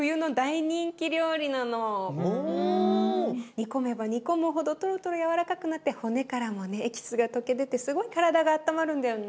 煮込めば煮込むほどトロトロ軟らかくなって骨からもねエキスが溶け出てすごい体があったまるんだよね。